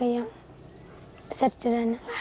saya yang sederhana